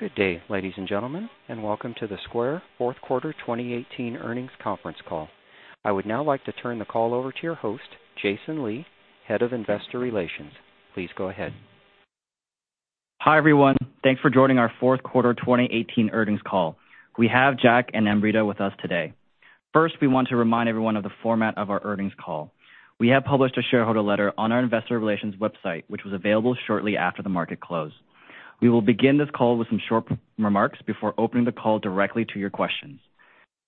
Good day, ladies and gentlemen, and welcome to the Square fourth quarter 2018 earnings conference call. I would now like to turn the call over to your host, Jason Lee, Head of Investor Relations. Please go ahead. Hi, everyone. Thanks for joining our fourth quarter 2018 earnings call. We have Jack and Amrita with us today. First, we want to remind everyone of the format of our earnings call. We have published a shareholder letter on our investor relations website, which was available shortly after the market close. We will begin this call with some short remarks before opening the call directly to your questions.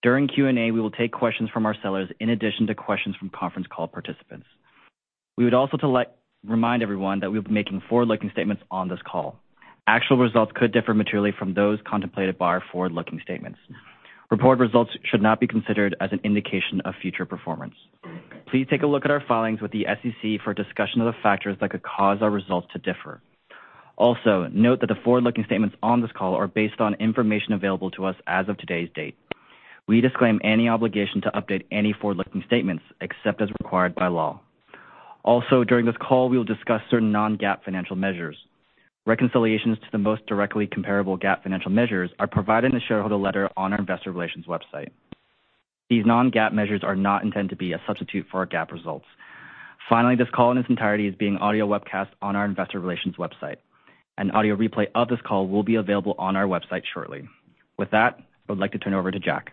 During Q&A, we will take questions from our sellers in addition to questions from conference call participants. We would also like to remind everyone that we'll be making forward-looking statements on this call. Actual results could differ materially from those contemplated by our forward-looking statements. Reported results should not be considered as an indication of future performance. Please take a look at our filings with the SEC for a discussion of the factors that could cause our results to differ. Note that the forward-looking statements on this call are based on information available to us as of today's date. We disclaim any obligation to update any forward-looking statements except as required by law. During this call, we will discuss certain non-GAAP financial measures. Reconciliations to the most directly comparable GAAP financial measures are provided in the shareholder letter on our investor relations website. These non-GAAP measures are not intended to be a substitute for our GAAP results. Finally, this call in its entirety is being audio webcast on our investor relations website. An audio replay of this call will be available on our website shortly. With that, I would like to turn it over to Jack.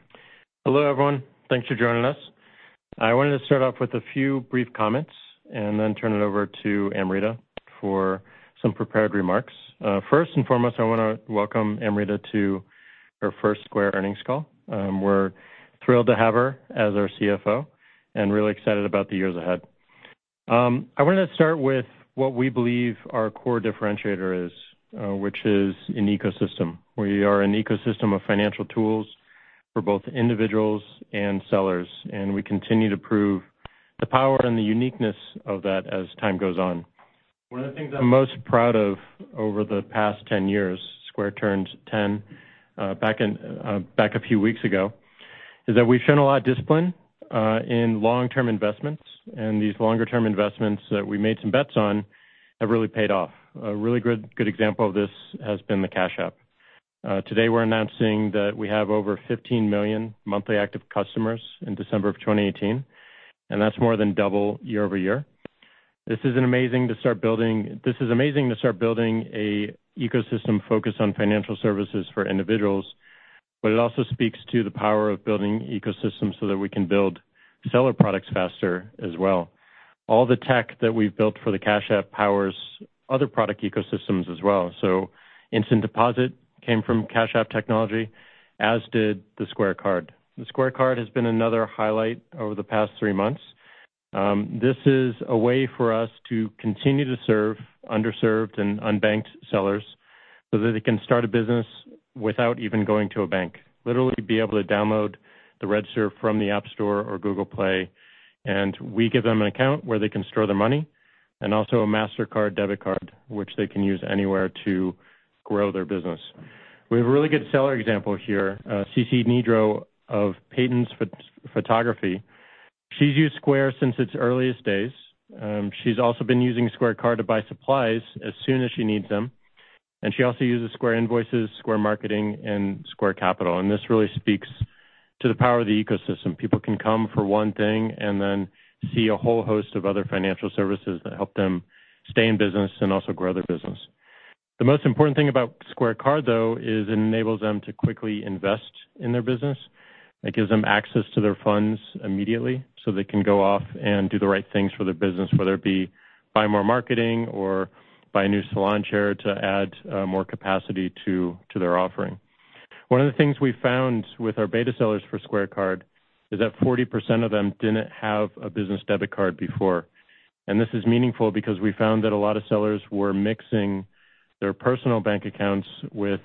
Hello, everyone. Thanks for joining us. I wanted to start off with a few brief comments and then turn it over to Amrita for some prepared remarks. First and foremost, I want to welcome Amrita to her first Square earnings call. We're thrilled to have her as our CFO and really excited about the years ahead. I wanted to start with what we believe our core differentiator is, which is an ecosystem. We are an ecosystem of financial tools for both individuals and sellers, and we continue to prove the power and the uniqueness of that as time goes on. One of the things I'm most proud of over the past 10 years, Square turned 10 back a few weeks ago, is that we've shown a lot of discipline in long-term investments, and these longer-term investments that we made some bets on have really paid off. A really good example of this has been the Cash App. Today we're announcing that we have over 15 million monthly active customers in December of 2018, that's more than double year-over-year. This is amazing to start building an ecosystem focused on financial services for individuals, it also speaks to the power of building ecosystems so that we can build seller products faster as well. All the tech that we've built for the Cash App powers other product ecosystems as well. Instant Deposit came from Cash App technology, as did the Square Card. The Square Card has been another highlight over the past 3 months. This is a way for us to continue to serve underserved and unbanked sellers so that they can start a business without even going to a bank. Literally be able to download the Red Serve from the App Store or Google Play, we give them an account where they can store their money, also a Mastercard debit card, which they can use anywhere to grow their business. We have a really good seller example here, CeCe Nedro of Peyton's Photography. She's used Square since its earliest days. She's also been using Square Card to buy supplies as soon as she needs them, she also uses Square Invoices, Square Marketing, and Square Capital, this really speaks to the power of the ecosystem. People can come for 1 thing and then see a whole host of other financial services that help them stay in business and also grow their business. The most important thing about Square Card, though, is it enables them to quickly invest in their business. It gives them access to their funds immediately so they can go off and do the right things for their business, whether it be buy more marketing or buy a new salon chair to add more capacity to their offering. One of the things we found with our beta sellers for Square Card is that 40% of them didn't have a business debit card before. This is meaningful because we found that a lot of sellers were mixing their personal bank accounts with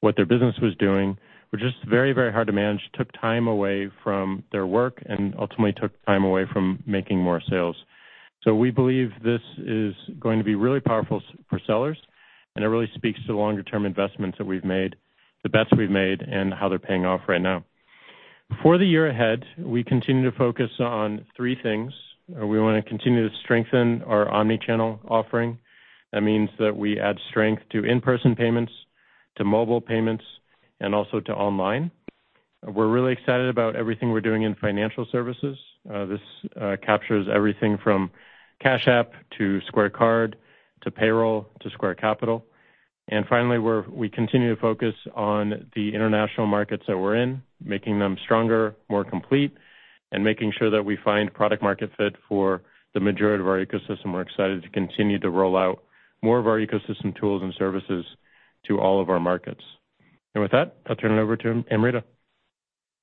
what their business was doing, which is very, very hard to manage, took time away from their work, and ultimately took time away from making more sales. We believe this is going to be really powerful for sellers, and it really speaks to the longer-term investments that we've made, the bets we've made, and how they're paying off right now. For the year ahead, we continue to focus on 3 things. We want to continue to strengthen our omnichannel. That means that we add strength to in-person payments, to mobile payments, and also to online. We're really excited about everything we're doing in financial services. This captures everything from Cash App to Square Card to Payroll to Square Capital. Finally, we continue to focus on the international markets that we're in, making them stronger, more complete, and making sure that we find product-market fit for the majority of our ecosystem. We're excited to continue to roll out more of our ecosystem tools and services to all of our markets. With that, I'll turn it over to Amrita.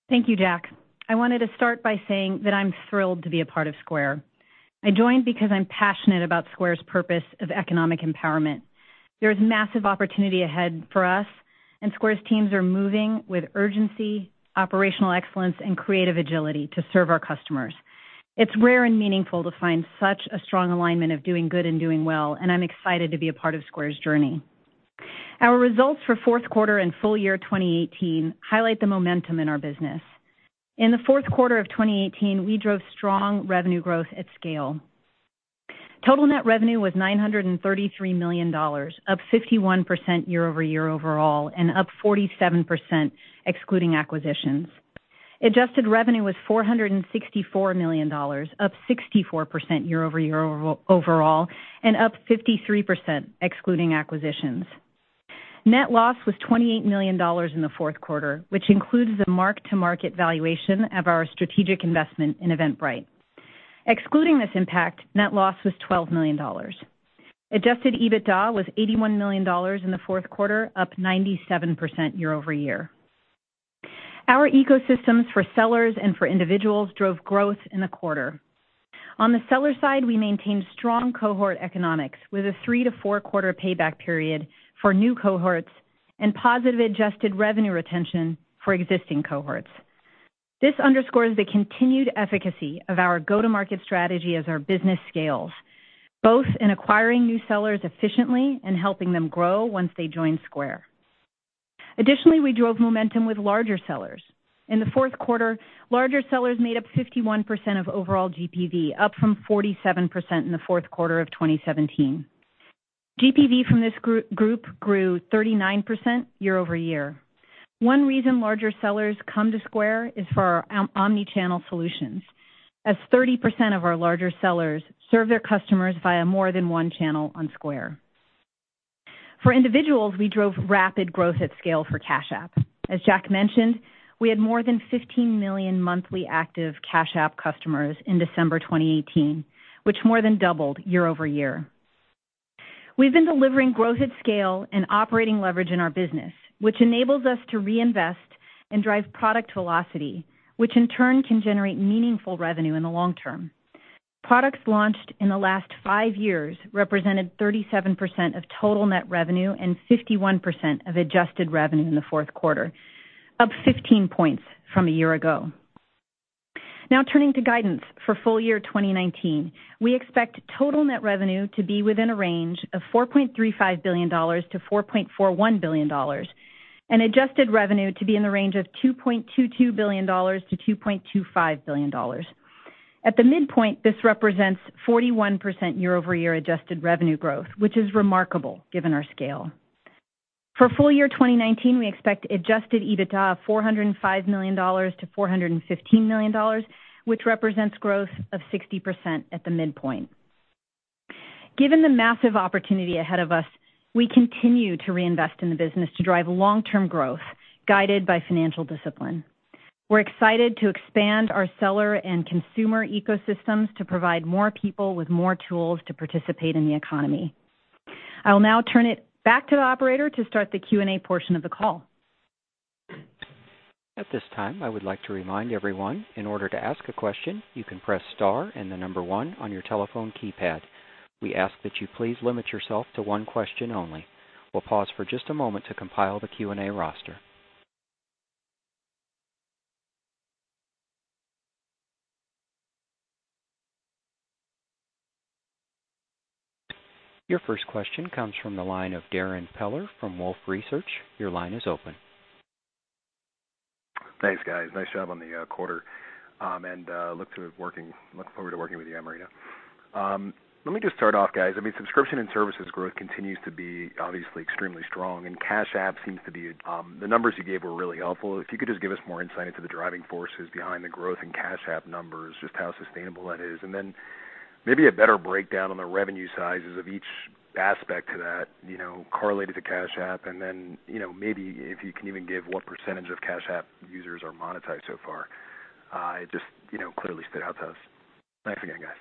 Thank you, Jack. I wanted to start by saying that I'm thrilled to be a part of Square. I joined because I'm passionate about Square's purpose of economic empowerment. There is massive opportunity ahead for us, and Square's teams are moving with urgency, operational excellence, and creative agility to serve our customers. It's rare and meaningful to find such a strong alignment of doing good and doing well, and I'm excited to be a part of Square's journey. Our results for fourth quarter and full year 2018 highlight the momentum in our business. In the fourth quarter of 2018, we drove strong revenue growth at scale. Total net revenue was $933 million, up 51% year-over-year overall, and up 47% excluding acquisitions. Adjusted revenue was $464 million, up 64% year-over-year overall, and up 53% excluding acquisitions. Net loss was $28 million in the fourth quarter, which includes a mark-to-market valuation of our strategic investment in Eventbrite. Excluding this impact, net loss was $12 million. Adjusted EBITDA was $81 million in the fourth quarter, up 97% year-over-year. Our ecosystems for sellers and for individuals drove growth in the quarter. On the seller side, we maintained strong cohort economics, with a three to four quarter payback period for new cohorts and positive adjusted revenue retention for existing cohorts. This underscores the continued efficacy of our go-to-market strategy as our business scales, both in acquiring new sellers efficiently and helping them grow once they join Square. Additionally, we drove momentum with larger sellers. In the fourth quarter, larger sellers made up 51% of overall GPV, up from 47% in the fourth quarter of 2017. GPV from this group grew 39% year-over-year. One reason larger sellers come to Square is for our omni-channel solutions, as 30% of our larger sellers serve their customers via more than one channel on Square. For individuals, we drove rapid growth at scale for Cash App. As Jack mentioned, we had more than 15 million monthly active Cash App customers in December 2018, which more than doubled year-over-year. We've been delivering growth at scale and operating leverage in our business, which enables us to reinvest and drive product velocity, which in turn can generate meaningful revenue in the long term. Products launched in the last five years represented 37% of total net revenue and 51% of adjusted revenue in the fourth quarter, up 15 points from a year ago. Turning to guidance for full year 2019. We expect total net revenue to be within a range of $4.35 billion to $4.41 billion, and adjusted revenue to be in the range of $2.22 billion to $2.25 billion. At the midpoint, this represents 41% year-over-year adjusted revenue growth, which is remarkable given our scale. For full year 2019, we expect adjusted EBITDA of $405 million to $415 million, which represents growth of 60% at the midpoint. Given the massive opportunity ahead of us, we continue to reinvest in the business to drive long-term growth, guided by financial discipline. We're excited to expand our seller and consumer ecosystems to provide more people with more tools to participate in the economy. I will now turn it back to the operator to start the Q&A portion of the call. At this time, I would like to remind everyone, in order to ask a question, you can press star and the number 1 on your telephone keypad. We ask that you please limit yourself to one question only. We'll pause for just a moment to compile the Q&A roster. Your first question comes from the line of Darrin Peller from Wolfe Research. Your line is open. Thanks, guys. Nice job on the quarter. Look forward to working with you, Amrita. Let me just start off, guys. Subscription and services growth continues to be obviously extremely strong. The numbers you gave were really helpful. If you could just give us more insight into the driving forces behind the growth in Cash App numbers, just how sustainable that is. Maybe a better breakdown on the revenue sizes of each aspect to that correlated to Cash App. Maybe if you can even give what % of Cash App users are monetized so far. It just clearly stood out to us. Thanks again, guys.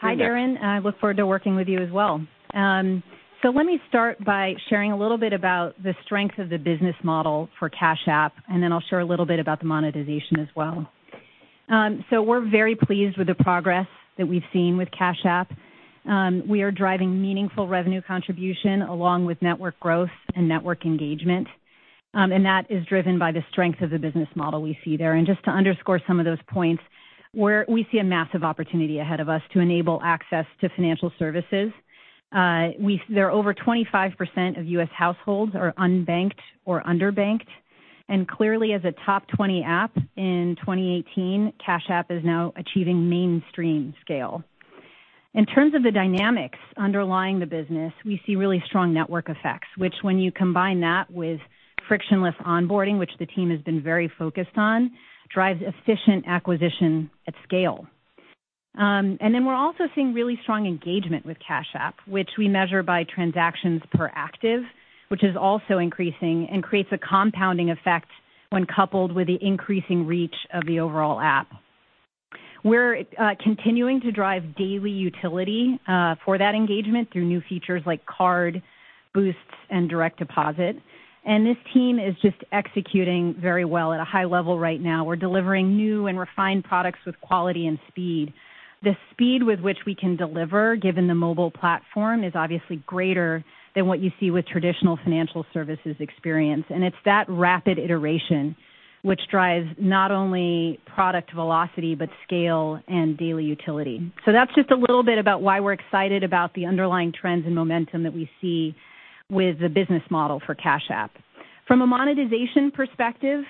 Hi, Darrin. I look forward to working with you as well. Let me start by sharing a little bit about the strength of the business model for Cash App. I'll share a little bit about the monetization as well. We're very pleased with the progress that we've seen with Cash App. We are driving meaningful revenue contribution along with network growth and network engagement. That is driven by the strength of the business model we see there. Just to underscore some of those points, we see a massive opportunity ahead of us to enable access to financial services. There are over 25% of U.S. households are unbanked or underbanked, and clearly as a top 20 app in 2018, Cash App is now achieving mainstream scale. In terms of the dynamics underlying the business, we see really strong network effects, which when you combine that with frictionless onboarding, which the team has been very focused on, drives efficient acquisition at scale. We're also seeing really strong engagement with Cash App, which we measure by transactions per active, which is also increasing and creates a compounding effect when coupled with the increasing reach of the overall app. We're continuing to drive daily utility for that engagement through new features like Cash Card, Boosts, and Direct Deposit. This team is just executing very well at a high level right now. We're delivering new and refined products with quality and speed. The speed with which we can deliver, given the mobile platform, is obviously greater than what you see with traditional financial services experience. It's that rapid iteration which drives not only product velocity, but scale and daily utility. That's just a little bit about why we're excited about the underlying trends and momentum that we see with the business model for Cash App. From a monetization perspective,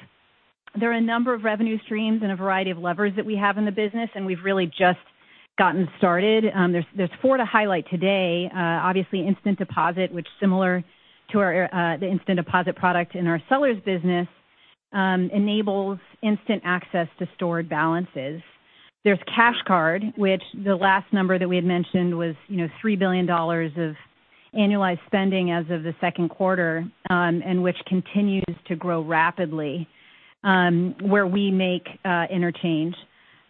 there are a number of revenue streams and a variety of levers that we have in the business, and we've really just gotten started. There's four to highlight today. Obviously, Instant Deposit, which similar to the Instant Deposit product in our sellers business, enables instant access to stored balances. There's Cash Card, which the last number that we had mentioned was $3 billion of annualized spending as of the second quarter, and which continues to grow rapidly, where we make interchange.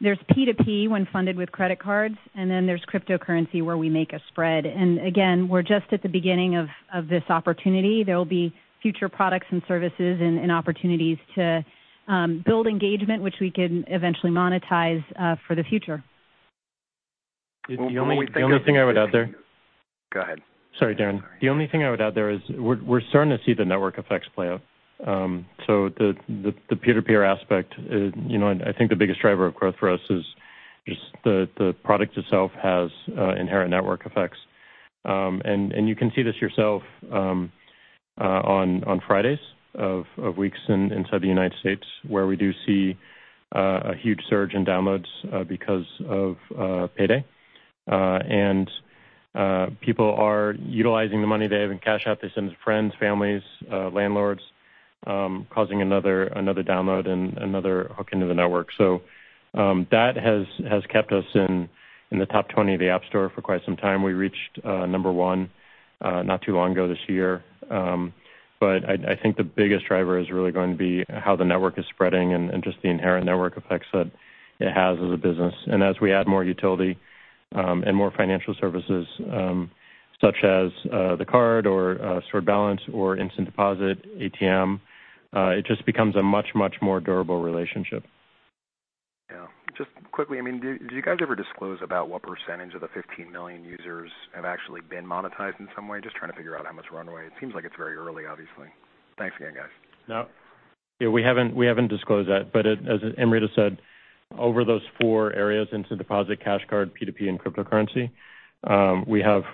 There's P2P when funded with credit cards, and then there's cryptocurrency where we make a spread. Again, we're just at the beginning of this opportunity. There will be future products and services and opportunities to build engagement, which we can eventually monetize for the future. The only thing I would add there. Go ahead. Sorry, Darrin. The only thing I would add there is we're starting to see the network effects play out. The peer-to-peer aspect, I think the biggest driver of growth for us is just the product itself has inherent network effects. You can see this yourself on Fridays of weeks inside the U.S., where we do see a huge surge in downloads because of payday. People are utilizing the money they have in Cash App. They send to friends, families, landlords, causing another download and another hook into the network. That has kept us in the top 20 of the App Store for quite some time. We reached number one not too long ago this year. I think the biggest driver is really going to be how the network is spreading and just the inherent network effects that it has as a business. As we add more utility and more financial services, such as the card or stored balance or Instant Deposit, ATM, it just becomes a much, much more durable relationship. Yeah. Just quickly, do you guys ever disclose about what percentage of the 15 million users have actually been monetized in some way? Just trying to figure out how much runway. It seems like it's very early, obviously. Thanks again, guys. No. Yeah, we haven't disclosed that, as Amrita said, over those four areas, Instant Deposit, Cash Card, P2P, and cryptocurrency,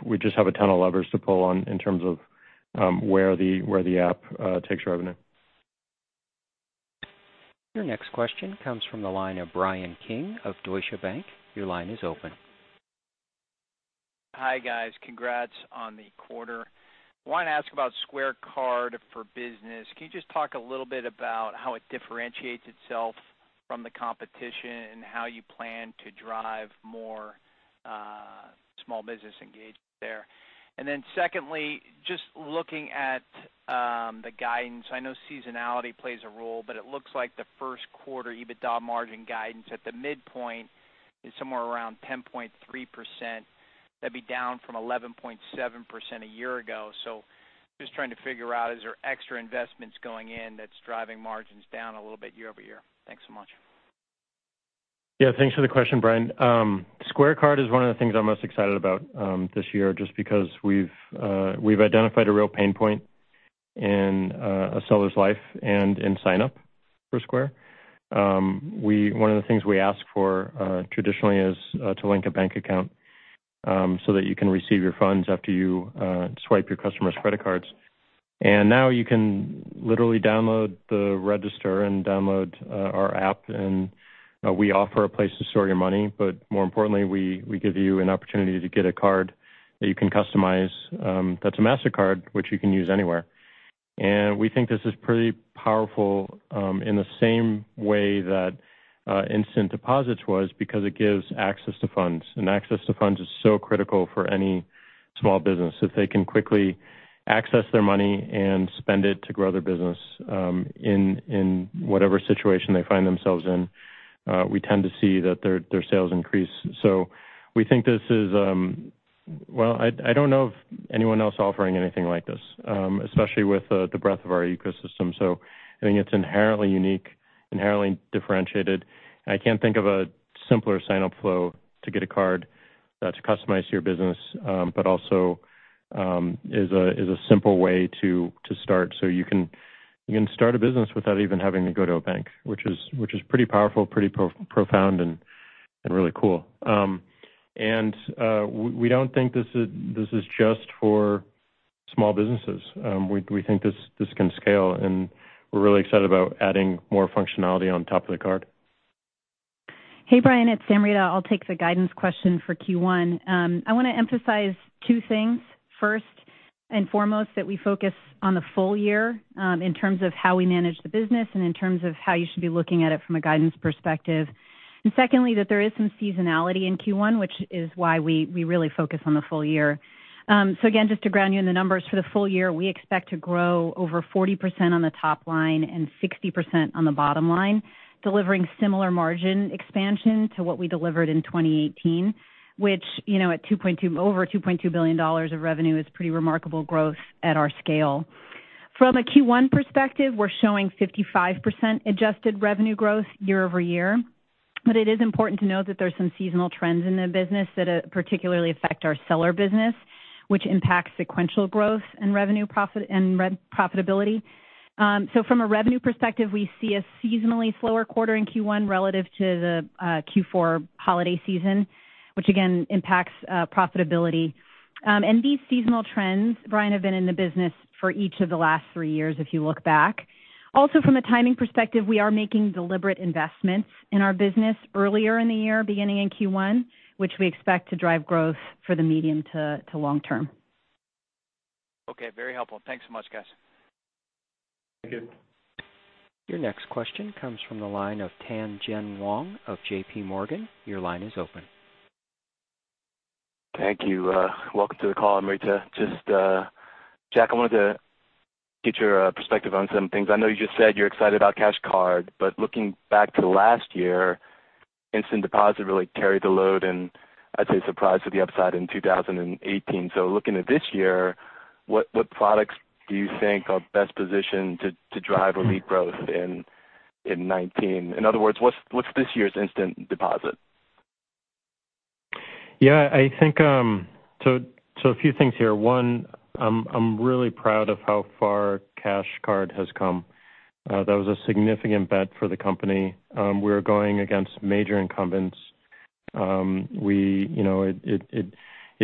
we just have a ton of levers to pull on in terms of where the app takes our revenue. Your next question comes from the line of Bryan Keane of Deutsche Bank. Your line is open. Hi, guys. Congrats on the quarter. Wanted to ask about Square Card for Business. Can you just talk a little bit about how it differentiates itself from the competition and how you plan to drive more small business engagement there? Secondly, just looking at the guidance, I know seasonality plays a role, but it looks like the first quarter EBITDA margin guidance at the midpoint is somewhere around 10.3%. That would be down from 11.7% a year ago. Just trying to figure out, is there extra investments going in that is driving margins down a little bit year over year? Thanks so much. Yeah, thanks for the question, Bryan. Square Card is one of the things I am most excited about this year just because we have identified a real pain point in a seller's life and in sign-up for Square. One of the things we ask for traditionally is to link a bank account so that you can receive your funds after you swipe your customers' credit cards. Now you can literally download the Register and download our app, and we offer a place to store your money. More importantly, we give you an opportunity to get a card that you can customize that is a Mastercard, which you can use anywhere. We think this is pretty powerful in the same way that Instant Deposits was because it gives access to funds. Access to funds is so critical for any small business. If they can quickly access their money and spend it to grow their business in whatever situation they find themselves in, we tend to see that their sales increase. We think this is Well, I don't know of anyone else offering anything like this, especially with the breadth of our ecosystem. I think it is inherently unique, inherently differentiated, and I can't think of a simpler sign-up flow to get a card to customize to your business. Also is a simple way to start. You can start a business without even having to go to a bank, which is pretty powerful, pretty profound, and really cool. We don't think this is just for small businesses. We think this can scale, and we are really excited about adding more functionality on top of the card. Hey, Bryan, it's Amrita. I'll take the guidance question for Q1. I want to emphasize two things. First and foremost, that we focus on the full year, in terms of how we manage the business and in terms of how you should be looking at it from a guidance perspective. Secondly, that there is some seasonality in Q1, which is why we really focus on the full year. Again, just to ground you in the numbers, for the full year, we expect to grow over 40% on the top line and 60% on the bottom line, delivering similar margin expansion to what we delivered in 2018, which at over $2.2 billion of revenue is pretty remarkable growth at our scale. From a Q1 perspective, we're showing 55% adjusted revenue growth year-over-year. It is important to note that there's some seasonal trends in the business that particularly affect our seller business, which impacts sequential growth and profitability. From a revenue perspective, we see a seasonally slower quarter in Q1 relative to the Q4 holiday season, which again impacts profitability. These seasonal trends, Bryan, have been in the business for each of the last three years if you look back. Also, from a timing perspective, we are making deliberate investments in our business earlier in the year, beginning in Q1, which we expect to drive growth for the medium to long term. Okay, very helpful. Thanks so much, guys. Thank you. Your next question comes from the line of Tien-Tsin Huang of JPMorgan. Your line is open. Thank you. Welcome to the call, Amrita. Jack, I wanted to get your perspective on some things. I know you just said you're excited about Cash Card, but looking back to last year, Instant Deposit really carried the load and I'd say surprised to the upside in 2018. Looking at this year, what products do you think are best positioned to drive or lead growth in 2019? In other words, what's this year's Instant Deposit? A few things here. One, I'm really proud of how far Cash Card has come. That was a significant bet for the company. We were going against major incumbents. It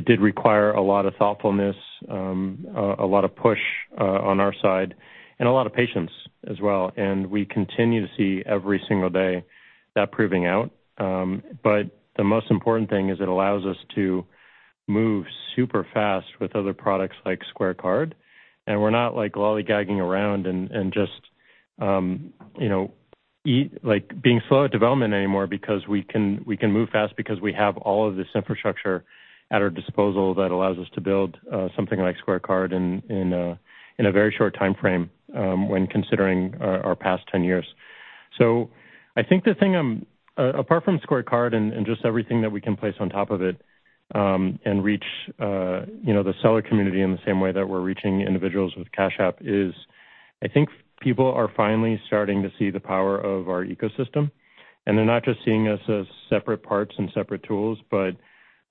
did require a lot of thoughtfulness, a lot of push on our side, and a lot of patience as well. We continue to see every single day that proving out. The most important thing is it allows us to move super fast with other products like Square Card. We're not lollygagging around and just being slow at development anymore because we can move fast because we have all of this infrastructure at our disposal that allows us to build something like Square Card in a very short timeframe when considering our past 10 years. I think apart from Square Card and just everything that we can place on top of it, and reach the seller community in the same way that we're reaching individuals with Cash App is, I think people are finally starting to see the power of our ecosystem. They're not just seeing us as separate parts and separate tools, but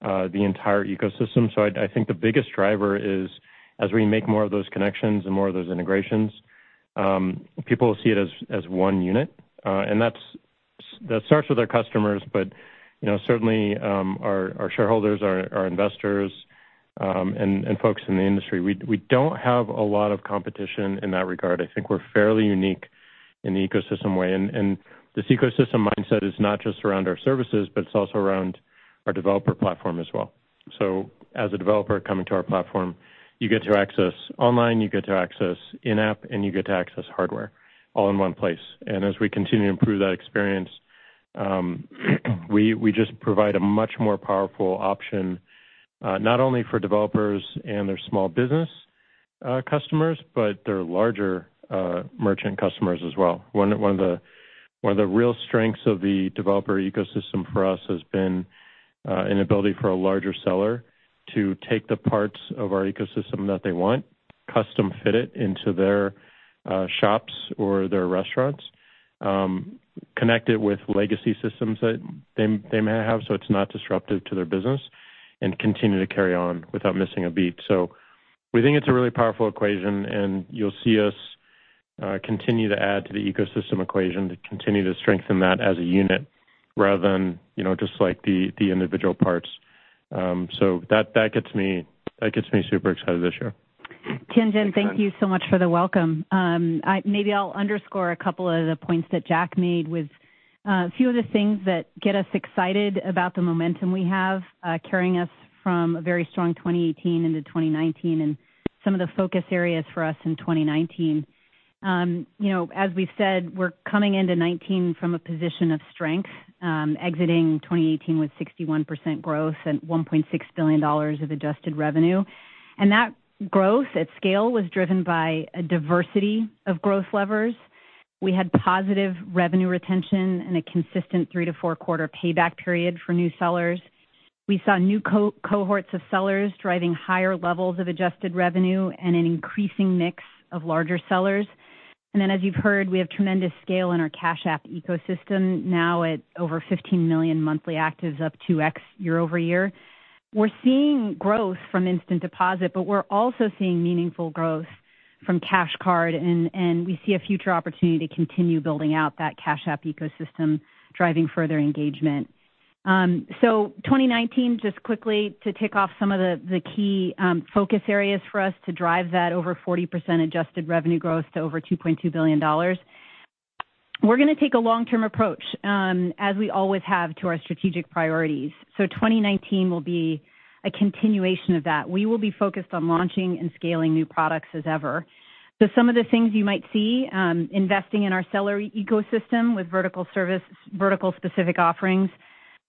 the entire ecosystem. I think the biggest driver is as we make more of those connections and more of those integrations, people will see it as one unit. That starts with our customers, but certainly our shareholders, our investors, and folks in the industry. We don't have a lot of competition in that regard. I think we're fairly unique in the ecosystem way. This ecosystem mindset is not just around our services, but it's also around our developer platform as well. As a developer coming to our platform, you get to access online, you get to access in-app, and you get to access hardware all in one place. As we continue to improve that experience, we just provide a much more powerful option, not only for developers and their small business customers, but their larger merchant customers as well. One of the real strengths of the developer ecosystem for us has been an ability for a larger seller to take the parts of our ecosystem that they want, custom fit it into their shops or their restaurants, connect it with legacy systems that they may have so it's not disruptive to their business, and continue to carry on without missing a beat. We think it's a really powerful equation, and you'll see us continue to add to the ecosystem equation, to continue to strengthen that as a unit rather than just the individual parts. That gets me super excited this year. Tien-Tsin, thank you so much for the welcome. Maybe I'll underscore a couple of the points that Jack made with a few of the things that get us excited about the momentum we have carrying us from a very strong 2018 into 2019, and some of the focus areas for us in 2019. As we said, we're coming into 2019 from a position of strength, exiting 2018 with 61% growth and $1.6 billion of adjusted revenue. That growth at scale was driven by a diversity of growth levers. We had positive revenue retention and a consistent three to four quarter payback period for new sellers. We saw new cohorts of sellers driving higher levels of adjusted revenue and an increasing mix of larger sellers. As you've heard, we have tremendous scale in our Cash App ecosystem now at over 15 million monthly actives, up 2x year-over-year. We're seeing growth from Instant Deposit, but we're also seeing meaningful growth from Cash Card, and we see a future opportunity to continue building out that Cash App ecosystem, driving further engagement. 2019, just quickly to tick off some of the key focus areas for us to drive that over 40% adjusted revenue growth to over $2.2 billion. We're going to take a long-term approach, as we always have to our strategic priorities. 2019 will be a continuation of that. We will be focused on launching and scaling new products as ever. Some of the things you might see, investing in our seller ecosystem with vertical specific offerings.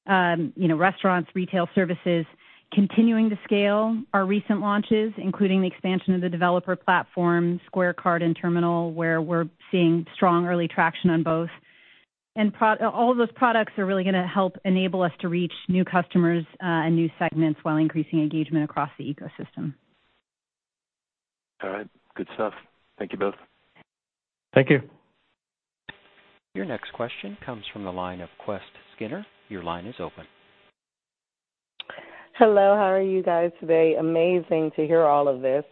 Restaurants, retail services. Continuing to scale our recent launches, including the expansion of the developer platform, Square Card, and Terminal, where we're seeing strong early traction on both. All those products are really going to help enable us to reach new customers and new segments while increasing engagement across the ecosystem. All right. Good stuff. Thank you both. Thank you. Your next question comes from the line of Quest Skinner. Your line is open. Hello, how are you guys today? Amazing to hear all of this.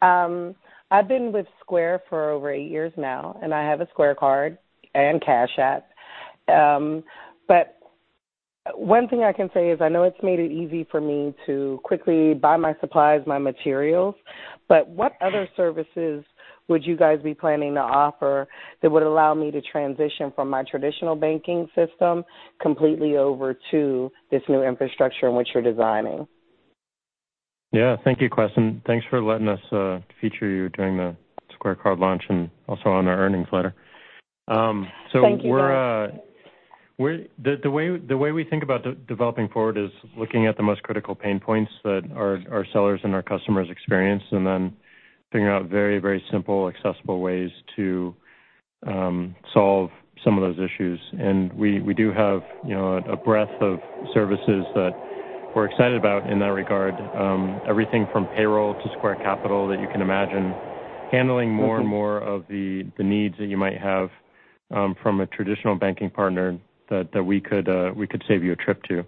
I've been with Square for over eight years now, and I have a Square Card and Cash App. One thing I can say is I know it's made it easy for me to quickly buy my supplies, my materials, but what other services would you guys be planning to offer that would allow me to transition from my traditional banking system completely over to this new infrastructure in which you're designing? Yeah. Thank you, Quest, and thanks for letting us feature you during the Square Card launch and also on our earnings letter. Thank you, guys. The way we think about developing forward is looking at the most critical pain points that our sellers and our customers experience, and then figuring out very simple, accessible ways to solve some of those issues. We do have a breadth of services that we're excited about in that regard. Everything from Square Payroll to Square Capital that you can imagine, handling more and more of the needs that you might have from a traditional banking partner that we could save you a trip to.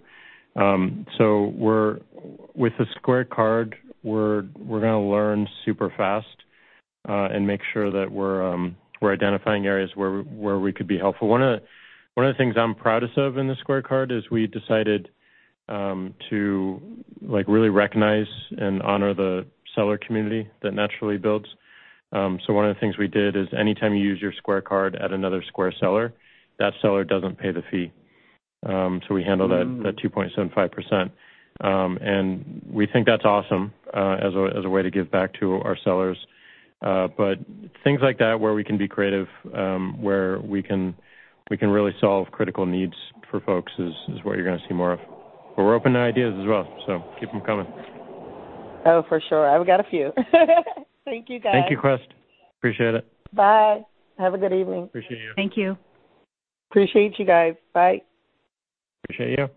With the Square Card, we're going to learn super fast, and make sure that we're identifying areas where we could be helpful. One of the things I'm proudest of in the Square Card is we decided to really recognize and honor the seller community that naturally builds. One of the things we did is anytime you use your Square Card at another Square seller, that seller doesn't pay the fee. We handle that 2.75%. We think that's awesome as a way to give back to our sellers. Things like that where we can be creative, where we can really solve critical needs for folks is what you're going to see more of. We're open to ideas as well, so keep them coming. Oh, for sure. I've got a few. Thank you, guys. Thank you, Quest. Appreciate it. Bye. Have a good evening. Appreciate you. Thank you. Appreciate you guys. Bye. Appreciate you.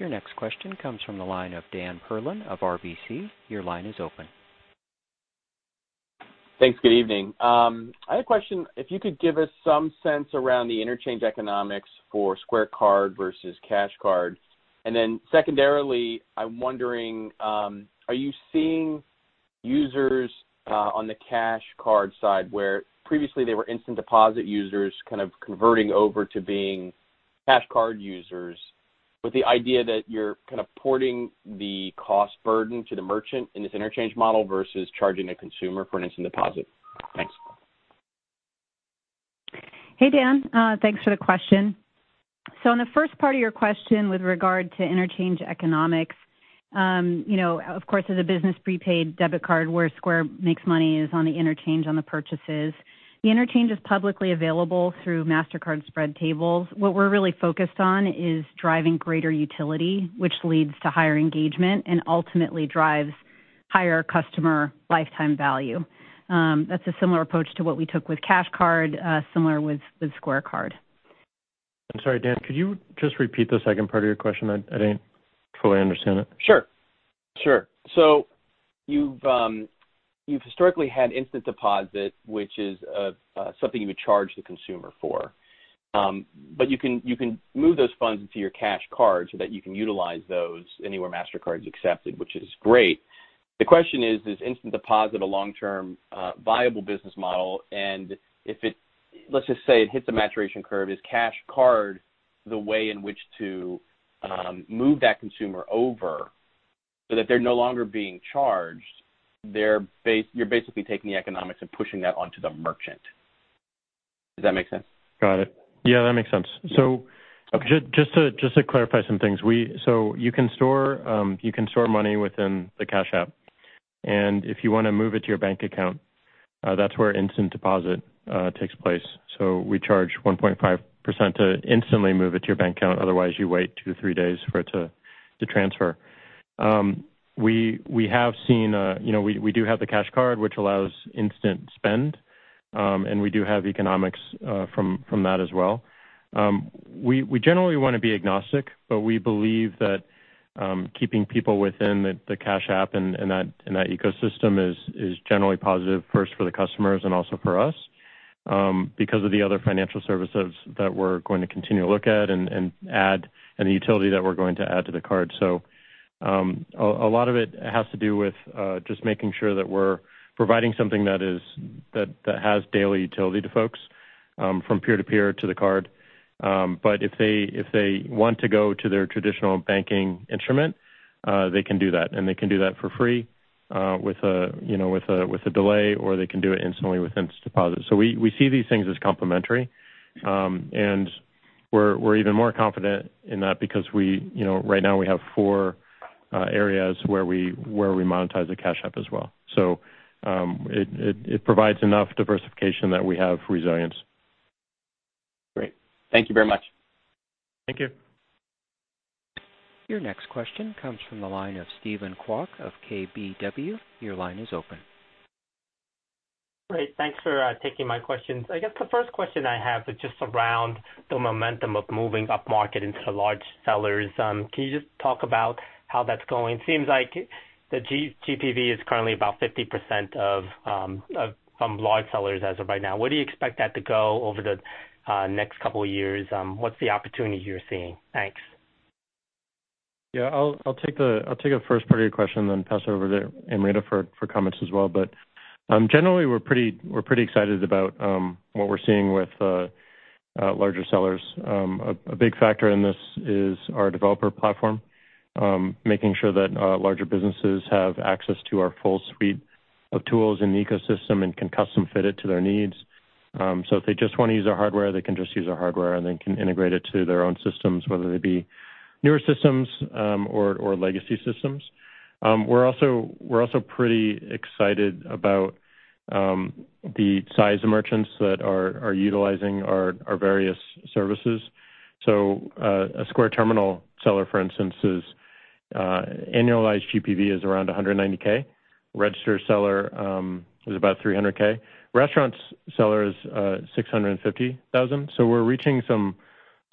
Your next question comes from the line of Daniel Perlin of RBC. Your line is open. Thanks. Good evening. I had a question, if you could give us some sense around the interchange economics for Square Card versus Cash Card. Secondarily, I'm wondering, are you seeing users on the Cash Card side where previously they were Instant Deposit users converting over to being Cash Card users with the idea that you're porting the cost burden to the merchant in this interchange model versus charging the consumer for an Instant Deposit? Thanks. Hey, Dan. Thanks for the question. On the first part of your question with regard to interchange economics, of course, as a business prepaid debit card where Square makes money is on the interchange on the purchases. The interchange is publicly available through Mastercard spread tables. What we're really focused on is driving greater utility, which leads to higher engagement and ultimately drives higher customer lifetime value. That's a similar approach to what we took with Cash Card, similar with Square Card. I'm sorry, Dan, could you just repeat the second part of your question? I didn't fully understand it. Sure. You've historically had Instant Deposit, which is something you would charge the consumer for. You can move those funds into your Cash Card so that you can utilize those anywhere Mastercard's accepted, which is great. The question is Instant Deposit a long-term, viable business model, and let's just say it hits the maturation curve, is Cash Card the way in which to move that consumer over so that they're no longer being charged? You're basically taking the economics and pushing that onto the merchant. Does that make sense? Got it. Yeah, that makes sense. Yeah. Okay. Just to clarify some things. You can store money within the Cash App, and if you want to move it to your bank account, that's where Instant Deposit takes place. We charge 1.5% to instantly move it to your bank account. Otherwise, you wait two to three days for it to transfer. We do have the Cash Card, which allows instant spend, and we do have economics from that as well. We generally want to be agnostic, we believe that keeping people within the Cash App and that ecosystem is generally positive, first for the customers and also for us, because of the other financial services that we're going to continue to look at and add, and the utility that we're going to add to the card. A lot of it has to do with just making sure that we're providing something that has daily utility to folks, from peer-to-peer to the card. If they want to go to their traditional banking instrument, they can do that, and they can do that for free, with a delay, or they can do it instantly with Instant Deposit. We see these things as complementary, and we're even more confident in that because right now we have four areas where we monetize the Cash App as well. It provides enough diversification that we have resilience. Great. Thank you very much. Thank you. Your next question comes from the line of Steven Kwok of KBW. Your line is open. Great. Thanks for taking my questions. I guess the first question I have is just around the momentum of moving upmarket into large sellers. Can you just talk about how that's going? Seems like the GPV is currently about 50% from large sellers as of right now. Where do you expect that to go over the next couple of years? What's the opportunity you're seeing? Thanks. Yeah. I'll take the first part of your question, then pass it over to Amrita for comments as well. Generally, we're pretty excited about what we're seeing with larger sellers. A big factor in this is our developer platform, making sure that larger businesses have access to our full suite of tools in the ecosystem and can custom fit it to their needs. If they just want to use our hardware, they can just use our hardware and then can integrate it to their own systems, whether they be newer systems or legacy systems. We're also pretty excited about the size of merchants that are utilizing our various services. A Square Terminal seller, for instance, annualised GPV is around 190K. Register seller is about 300K. Restaurants seller is 650,000. We're reaching some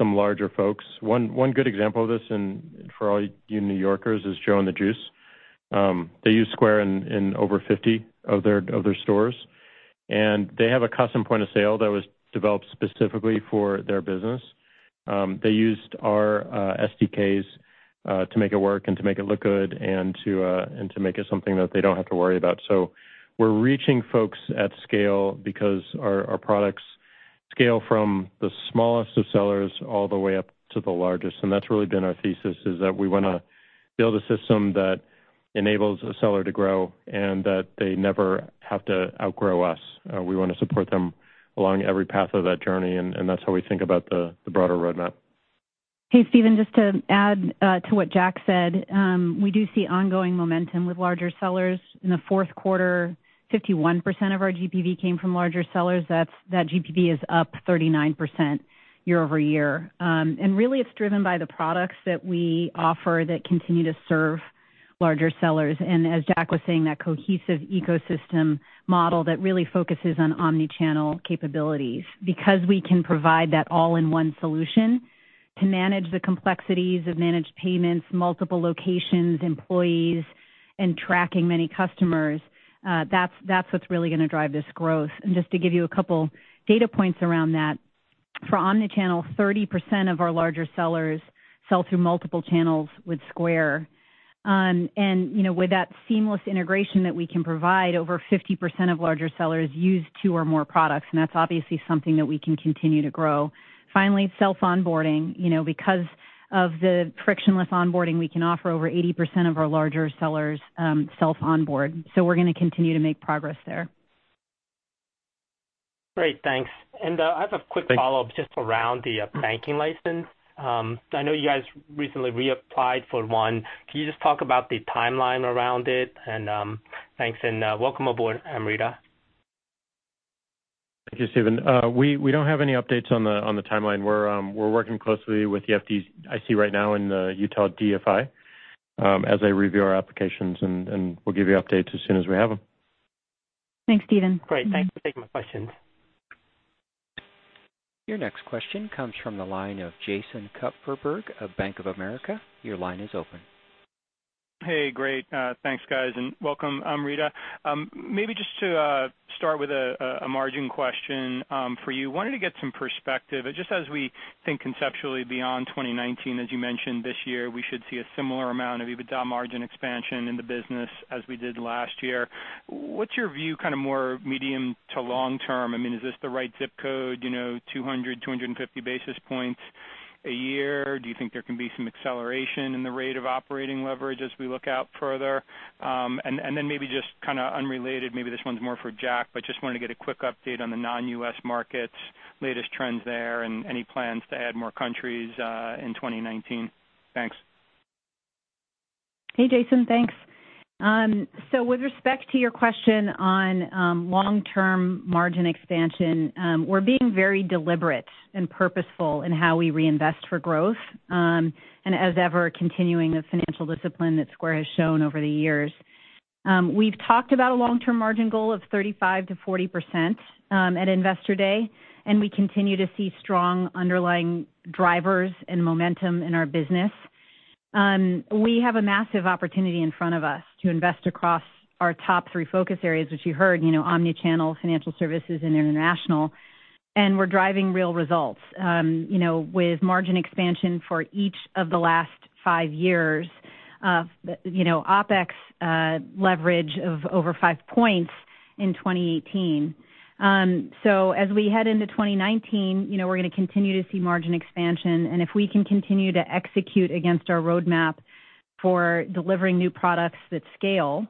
larger folks. One good example of this, and for all you New Yorkers, is JOE & THE JUICE. They use Square in over 50 of their stores, and they have a custom point-of-sale that was developed specifically for their business. They used our SDKs to make it work and to make it look good, and to make it something that they don't have to worry about. We're reaching folks at scale because our products scale from the smallest of sellers all the way up to the largest, and that's really been our thesis, is that we want to build a system that enables a seller to grow and that they never have to outgrow us. We want to support them along every path of that journey, and that's how we think about the broader roadmap. Hey, Steven, just to add to what Jack said. We do see ongoing momentum with larger sellers. In the fourth quarter, 51% of our GPV came from larger sellers. That GPV is up 39% year-over-year. Really, it's driven by the products that we offer that continue to serve larger sellers, and as Jack was saying, that cohesive ecosystem model that really focuses on omnichannel capabilities. Because we can provide that all-in-one solution to manage the complexities of managed payments, multiple locations, employees, and tracking many customers, that's what's really going to drive this growth. Just to give you a couple data points around that, for omnichannel, 30% of our larger sellers sell through multiple channels with Square. With that seamless integration that we can provide, over 50% of larger sellers use two or more products, and that's obviously something that we can continue to grow. Self-onboarding. Because of the frictionless onboarding we can offer, over 80% of our larger sellers self-onboard. We're going to continue to make progress there. Great, thanks. I have a quick follow-up just around the banking license. I know you guys recently reapplied for one. Can you just talk about the timeline around it? Thanks, and welcome aboard, Amrita. Thank you, Stephen. We don't have any updates on the timeline. We're working closely with the FDIC right now and the Utah DFI as they review our applications, and we'll give you updates as soon as we have them. Thanks, Stephen. Great. Thanks for taking my questions. Your next question comes from the line of Jason Kupferberg of Bank of America. Your line is open. Hey, great. Thanks, guys, and welcome, Amrita. Maybe just to start with a margin question for you. Wanted to get some perspective, just as we think conceptually beyond 2019, as you mentioned this year, we should see a similar amount of EBITDA margin expansion in the business as we did last year. What's your view kind of more medium to long-term? Is this the right ZIP code, 200, 250 basis points a year? Do you think there can be some acceleration in the rate of operating leverage as we look out further? Then maybe just kind of unrelated, maybe this one's more for Jack, but just wanted to get a quick update on the non-U.S. markets, latest trends there, and any plans to add more countries in 2019. Thanks. Hey, Jason. Thanks. With respect to your question on long-term margin expansion, we're being very deliberate and purposeful in how we reinvest for growth, and as ever, continuing the financial discipline that Square has shown over the years. We've talked about a long-term margin goal of 35%-40% at Investor Day. We continue to see strong underlying drivers and momentum in our business. We have a massive opportunity in front of us to invest across our top three focus areas, which you heard, omnichannel, financial services, and international. We're driving real results with margin expansion for each of the last five years, OpEx leverage of over five points in 2018. As we head into 2019, we're going to continue to see margin expansion, and if we can continue to execute against our roadmap for delivering new products that scale,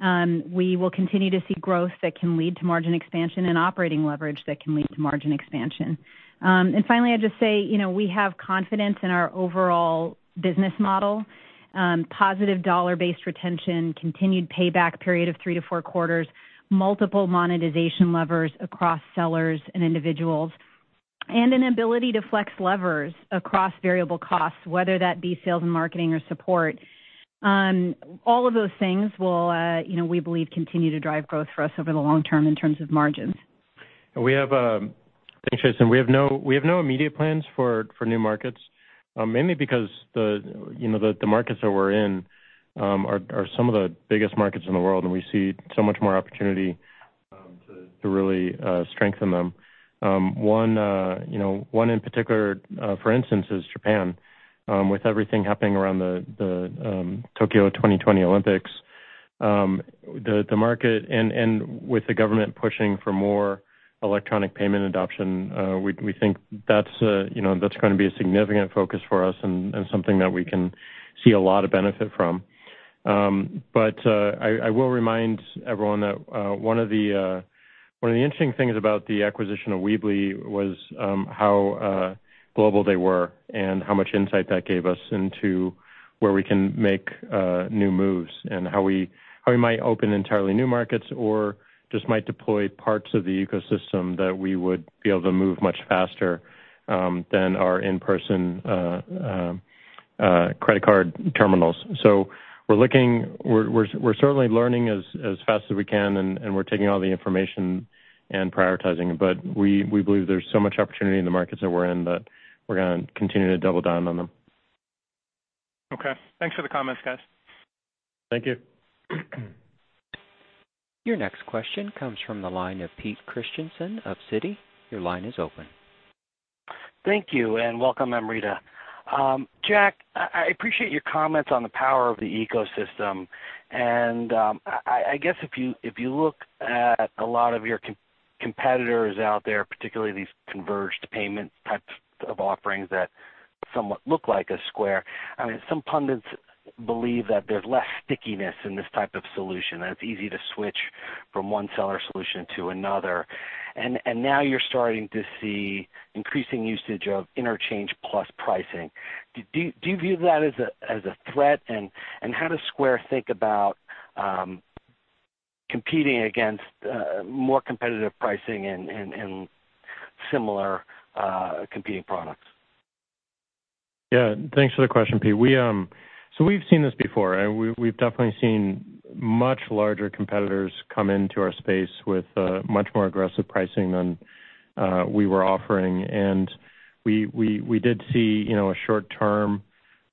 we will continue to see growth that can lead to margin expansion and operating leverage that can lead to margin expansion. Finally, I'd just say, we have confidence in our overall business model. Positive dollar-based retention, continued payback period of three to four quarters, multiple monetization levers across sellers and individuals, and an ability to flex levers across variable costs, whether that be sales and marketing or support. All of those things will, we believe, continue to drive growth for us over the long term in terms of margins. Thanks, Jason. We have no immediate plans for new markets, mainly because the markets that we're in are some of the biggest markets in the world, and we see so much more opportunity to really strengthen them. One in particular, for instance, is Japan. With everything happening around the Tokyo 2020 Olympics, the market and with the government pushing for more electronic payment adoption, we think that's going to be a significant focus for us and something that we can see a lot of benefit from. I will remind everyone that one of the interesting things about the acquisition of Weebly was how global they were and how much insight that gave us into where we can make new moves and how we might open entirely new markets or just might deploy parts of the ecosystem that we would be able to move much faster than our in-person credit card terminals. We're certainly learning as fast as we can, and we're taking all the information and prioritizing, but we believe there's so much opportunity in the markets that we're in that we're going to continue to double down on them. Okay. Thanks for the comments, guys. Thank you. Your next question comes from the line of Peter Christiansen of Citi. Your line is open. Thank you, and welcome, Amrita. Jack, I appreciate your comments on the power of the ecosystem. I guess if you look at a lot of your competitors out there, particularly these converged payment types of offerings that somewhat look like a Square, some pundits believe that there's less stickiness in this type of solution, and it's easy to switch from one seller solution to another. Now you're starting to see increasing usage of interchange plus pricing. Do you view that as a threat? How does Square think about competing against more competitive pricing and similar competing products? Yeah, thanks for the question, Pete. We've seen this before. We've definitely seen much larger competitors come into our space with much more aggressive pricing than we were offering. We did see a short-term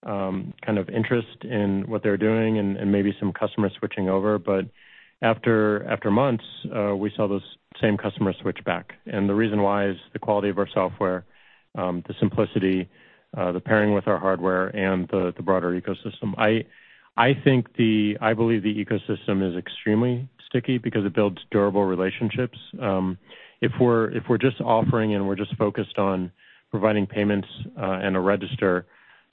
kind of interest in what they're doing and maybe some customers switching over. After months, we saw those same customers switch back. The reason why is the quality of our software, the simplicity, the pairing with our hardware, and the broader ecosystem. I believe the ecosystem is extremely sticky because it builds durable relationships. If we're just offering and we're just focused on providing payments and a Register,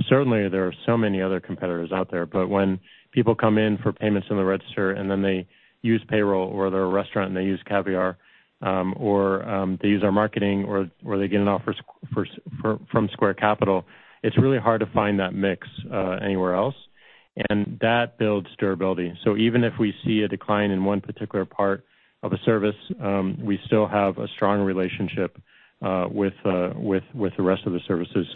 certainly, there are so many other competitors out there. When people come in for payments in the Register and then they use Payroll or they're a restaurant and they use Caviar or they use our Marketing, or they get an offer from Square Capital, it's really hard to find that mix anywhere else, and that builds durability. Even if we see a decline in one particular part of a service, we still have a strong relationship with the rest of the services.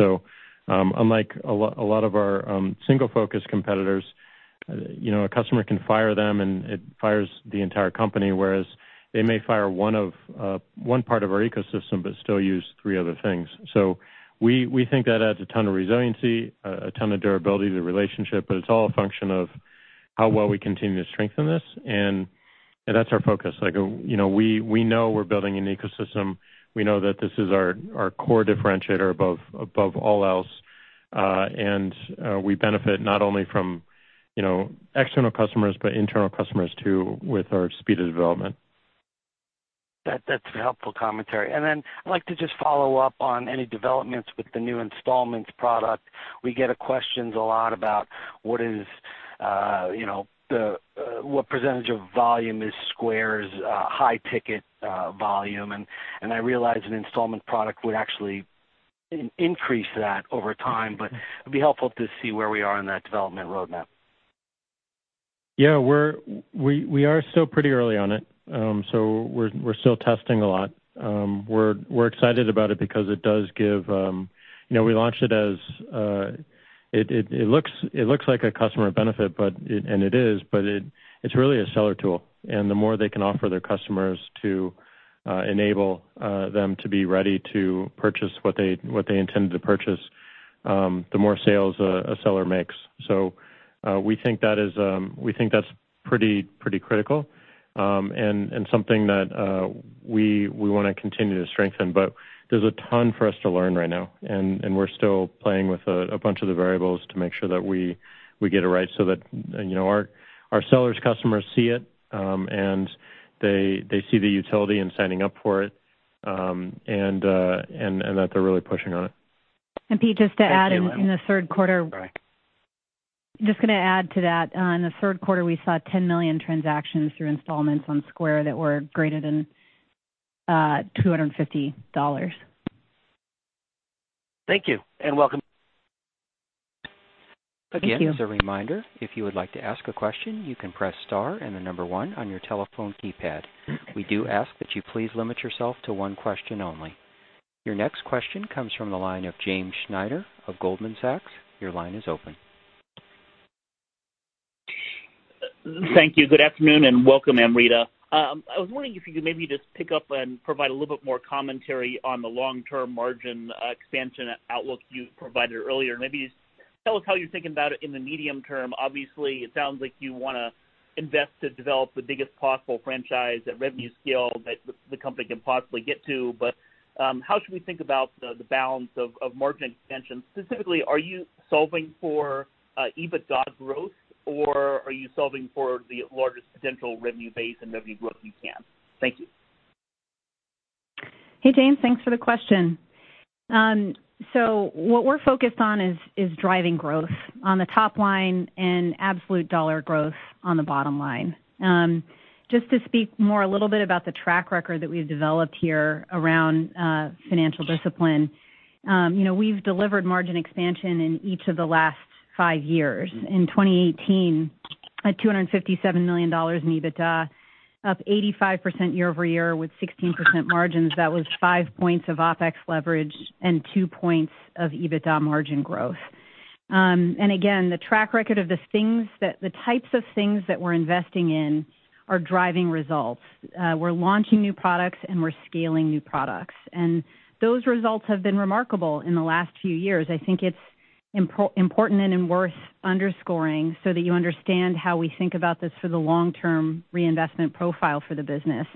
Unlike a lot of our single-focus competitors, a customer can fire them, and it fires the entire company, whereas they may fire one part of our ecosystem but still use three other things. We think that adds a ton of resiliency, a ton of durability to the relationship, but it's all a function of how well we continue to strengthen this, and that's our focus. We know we're building an ecosystem. We know that this is our core differentiator above all else. We benefit not only from external customers, but internal customers too, with our speed of development. That's helpful commentary. I'd like to just follow up on any developments with the new Installments product. We get questions a lot about what % of volume is Square's high ticket volume, and I realize an Installments product would actually increase that over time, but it'd be helpful to see where we are in that development roadmap. Yeah. We are still pretty early on it. We're still testing a lot. We're excited about it because it does give. We launched it as. It looks like a customer benefit, and it is, but it's really a seller tool, and the more they can offer their customers to enable them to be ready to purchase what they intended to purchase, the more sales a seller makes. We think that's pretty critical, and something that we want to continue to strengthen. There's a ton for us to learn right now, and we're still playing with a bunch of the variables to make sure that we get it right so that our sellers' customers see it, and they see the utility in signing up for it, and that they're really pushing on it. Pete, just to add in the third quarter. Right. Just going to add to that. In the third quarter, we saw 10 million transactions through installments on Square that were greater than $250. Thank you, and welcome. Again, as a reminder, if you would like to ask a question, you can press star and the number one on your telephone keypad. We do ask that you please limit yourself to one question only. Your next question comes from the line of James Schneider of Goldman Sachs. Your line is open. Thank you. Good afternoon, and welcome, Amrita. I was wondering if you could maybe just pick up and provide a little bit more commentary on the long-term margin expansion outlook you provided earlier. Tell us how you're thinking about it in the medium term. Obviously, it sounds like you want to invest to develop the biggest possible franchise at revenue scale that the company can possibly get to. How should we think about the balance of margin expansion? Specifically, are you solving for EBITDA growth, or are you solving for the largest potential revenue base and revenue growth you can? Thank you. Hey, James. Thanks for the question. What we're focused on is driving growth on the top line and absolute dollar growth on the bottom line. Just to speak more a little bit about the track record that we've developed here around financial discipline. We've delivered margin expansion in each of the last five years. In 2018, at $257 million in EBITDA, up 85% year-over-year with 16% margins, that was 5 points of OpEx leverage and 2 points of EBITDA margin growth. Again, the track record of the types of things that we're investing in are driving results. We're launching new products, and we're scaling new products. Those results have been remarkable in the last few years. I think it's important and worth underscoring so that you understand how we think about this for the long-term reinvestment profile for the business.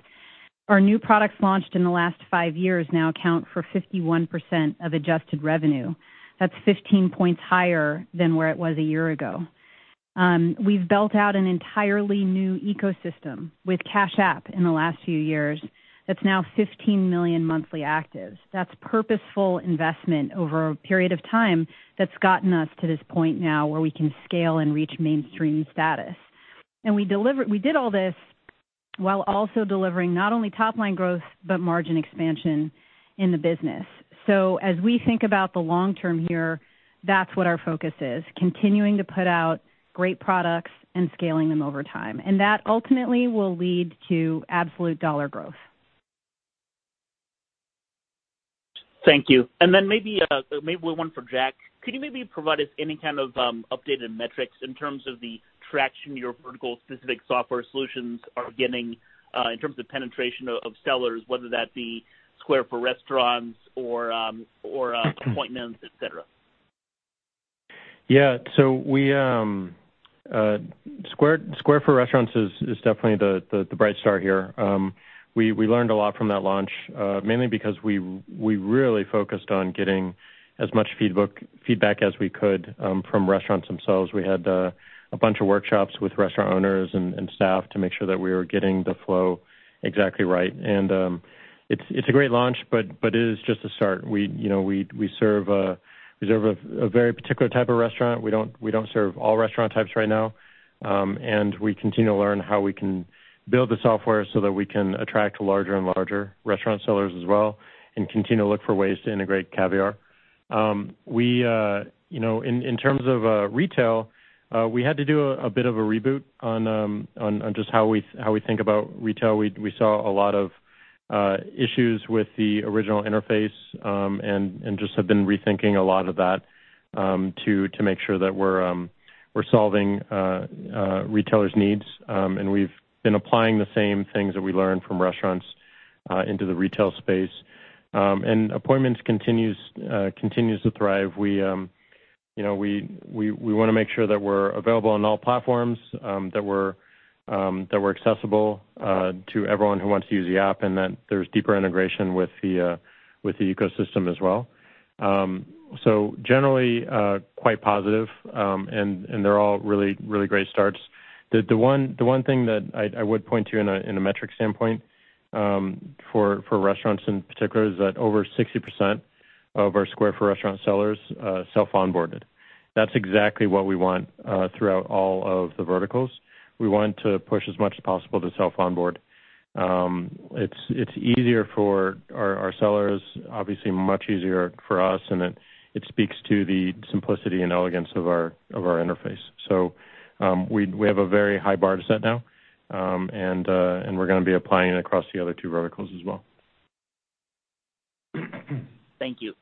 Our new products launched in the last five years now account for 51% of adjusted revenue. That's 15 points higher than where it was a year ago. We've built out an entirely new ecosystem with Cash App in the last few years that's now 15 million monthly actives. That's purposeful investment over a period of time that's gotten us to this point now where we can scale and reach mainstream status. We did all this while also delivering not only top-line growth, but margin expansion in the business. As we think about the long term here, that's what our focus is, continuing to put out great products and scaling them over time. That ultimately will lead to absolute dollar growth. Thank you. Then maybe one for Jack. Could you maybe provide us any kind of updated metrics in terms of the traction your vertical specific software solutions are getting in terms of penetration of sellers, whether that be Square for Restaurants or Appointments, et cetera? Yeah. Square for Restaurants is definitely the bright star here. We learned a lot from that launch, mainly because we really focused on getting as much feedback as we could from restaurants themselves. We had a bunch of workshops with restaurant owners and staff to make sure that we were getting the flow exactly right. It's a great launch, but it is just a start. We serve a very particular type of restaurant. We don't serve all restaurant types right now. We continue to learn how we can build the software so that we can attract larger and larger restaurant sellers as well and continue to look for ways to integrate Caviar. In terms of retail, we had to do a bit of a reboot on just how we think about retail. We saw a lot of issues with the original interface, just have been rethinking a lot of that, to make sure that we're solving retailers' needs, we've been applying the same things that we learned from restaurants into the retail space. Appointments continues to thrive. We want to make sure that we're available on all platforms, that we're accessible to everyone who wants to use the app, that there's deeper integration with the ecosystem as well. Generally, quite positive, they're all really great starts. The one thing that I would point to in a metric standpoint for restaurants in particular is that over 60% of our Square for Restaurants sellers self onboarded. That's exactly what we want throughout all of the verticals. We want to push as much as possible to self onboard. It's easier for our sellers, obviously much easier for us, it speaks to the simplicity and elegance of our interface. We have a very high bar to set now, we're going to be applying it across the other two verticals as well. Thank you.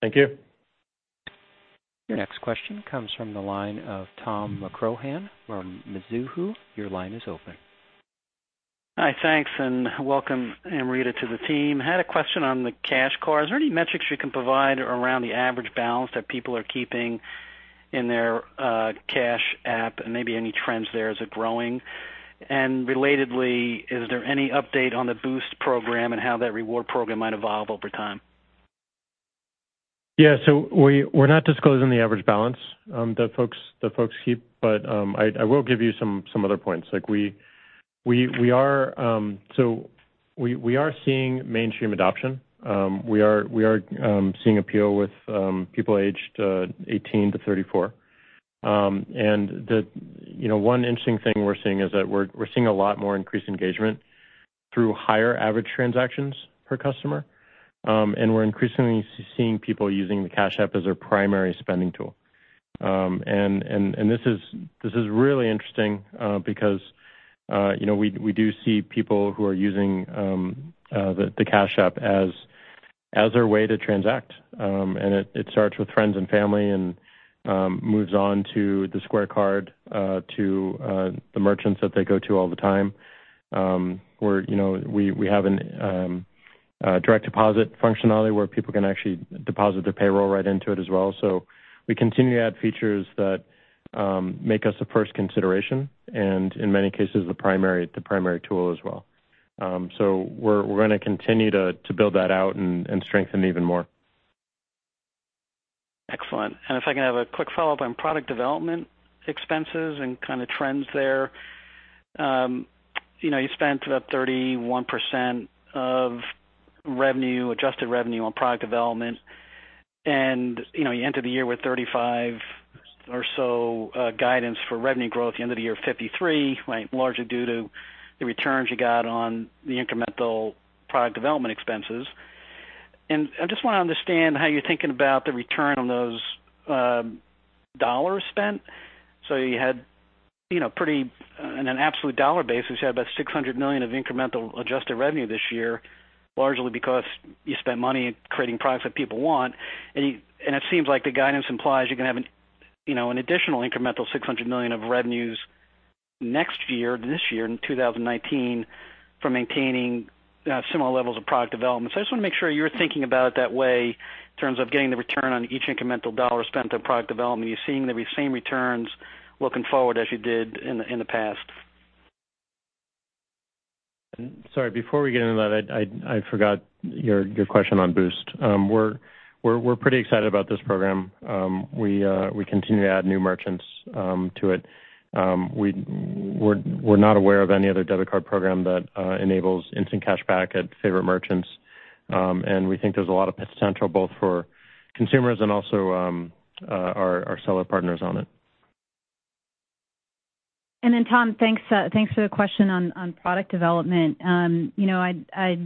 Thank you. Your next question comes from the line of Tom McCrohan from Mizuho. Your line is open. Hi, thanks and welcome Amrita to the team. Had a question on the Cash Card. Is there any metrics you can provide around the average balance that people are keeping in their Cash App, and maybe any trends there? Is it growing? Relatedly, is there any update on the Boost program and how that reward program might evolve over time? Yeah. We're not disclosing the average balance that folks keep, but I will give you some other points. We are seeing mainstream adoption. We are seeing appeal with people aged 18-34. One interesting thing we're seeing is that we're seeing a lot more increased engagement through higher average transactions per customer, and we're increasingly seeing people using the Cash App as their primary spending tool. This is really interesting because we do see people who are using the Cash App as their way to transact, and it starts with friends and family and moves on to the Square Card to the merchants that they go to all the time. We have a Direct Deposit functionality where people can actually deposit their payroll right into it as well. We continue to add features that make us a first consideration, and in many cases, the primary tool as well. We're going to continue to build that out and strengthen even more. Excellent. If I can have a quick follow-up on product development expenses and kind of trends there. You spent about 31% of adjusted revenue on product development, and you ended the year with 35% or so guidance for revenue growth, you ended the year 53%, largely due to the returns you got on the incremental product development expenses. I just want to understand how you're thinking about the return on those dollars spent. On an absolute dollar basis, you had about $600 million of incremental adjusted revenue this year, largely because you spent money creating products that people want. It seems like the guidance implies you're going to have an additional incremental $600 million of revenues next year, this year, in 2019, from maintaining similar levels of product development. I just want to make sure you're thinking about it that way in terms of getting the return on each incremental dollar spent on product development. You're seeing the same returns looking forward as you did in the past. Sorry, before we get into that, I forgot your question on Boost. We're pretty excited about this program. We continue to add new merchants to it. We're not aware of any other debit card program that enables instant cashback at favorite merchants, we think there's a lot of potential both for consumers and also our seller partners on it. Tom, thanks for the question on product development. I'd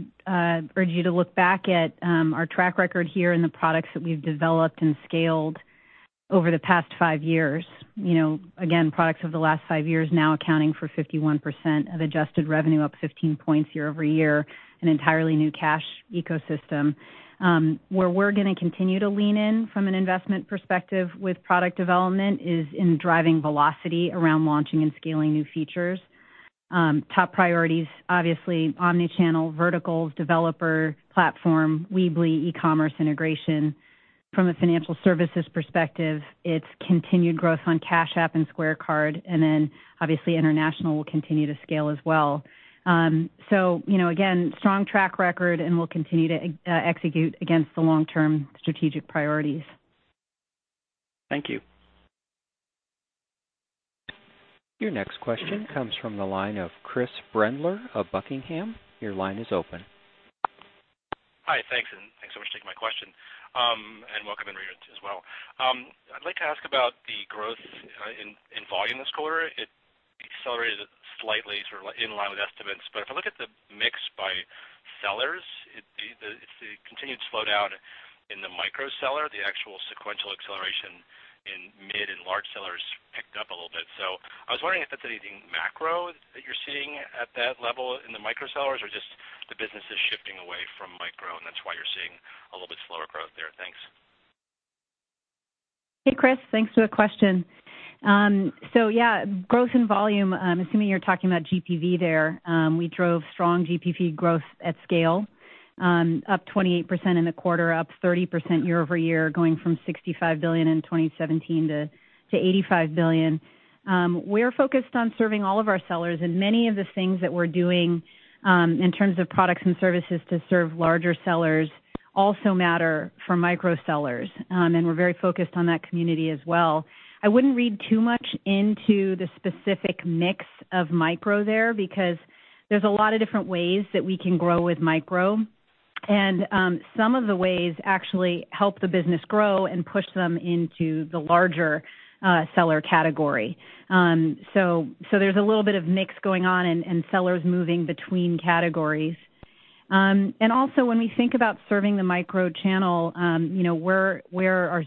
urge you to look back at our track record here and the products that we've developed and scaled over the past five years. Again, products over the last five years now accounting for 51% of adjusted revenue, up 15 points year-over-year, an entirely new cash ecosystem. Where we're going to continue to lean in from an investment perspective with product development is in driving velocity around launching and scaling new features. Top priorities, obviously omni-channel, verticals, developer, platform, Weebly, e-commerce integration. From a financial services perspective, it's continued growth on Cash App and Square Card, and then obviously international will continue to scale as well. Again, strong track record, and we'll continue to execute against the long-term strategic priorities. Thank you. Your next question comes from the line of Chris Brendler of Buckingham. Your line is open. Hi, thanks so much for taking my question. Welcome, Amrita, as well. I'd like to ask about the growth in volume this quarter. It accelerated slightly, sort of in line with estimates. If I look at the mix by sellers, it continued to slow down in the micro-seller, the actual sequential acceleration in mid- and large sellers picked up a little bit. I was wondering if that's anything macro that you're seeing at that level in the micro-sellers, or just the business is shifting away from micro and that's why you're seeing a little bit slower growth there. Thanks. Hey, Chris. Thanks for the question. Yeah, growth and volume, assuming you're talking about GPV there, we drove strong GPV growth at scale, up 28% in the quarter, up 30% year-over-year, going from $65 billion in 2017 to $85 billion. We're focused on serving all of our sellers, and many of the things that we're doing in terms of products and services to serve larger sellers also matter for micro sellers. We're very focused on that community as well. I wouldn't read too much into the specific mix of micro there, because there's a lot of different ways that we can grow with micro, and some of the ways actually help the business grow and push them into the larger seller category. There's a little bit of mix going on and sellers moving between categories. Also, when we think about serving the micro channel, where our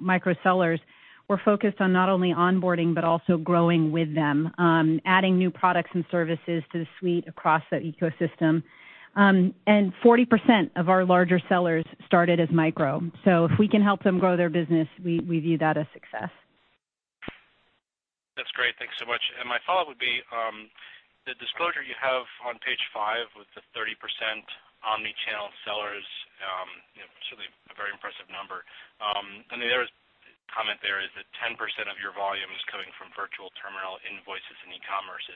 micro sellers, we're focused on not only onboarding but also growing with them, adding new products and services to the suite across the ecosystem. 40% of our larger sellers started as micro. If we can help them grow their business, we view that as success. That's great. Thanks so much. My follow-up would be, the disclosure you have on page five with the 30% omni-channel sellers, certainly a very impressive number. The other comment there is that 10% of your volume is coming from virtual terminal invoices and e-commerce.